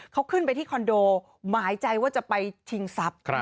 เขาขึ้นไปที่คอนโดหมายใจว่าจะไปชิงทรัพย์